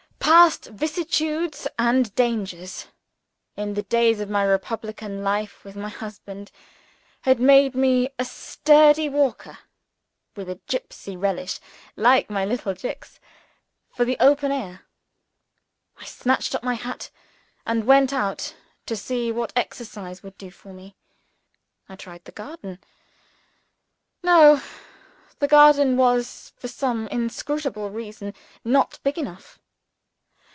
Past vicissitudes and dangers, in the days of my republican life with my husband, had made me a sturdy walker with a gypsy relish (like my little Jicks) for the open air. I snatched up my hat, and went out, to see what exercise would do for me. I tried the garden. No! the garden was (for some inscrutable reason) not big enough.